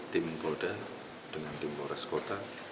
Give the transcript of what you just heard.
tim polda dengan tim polres kota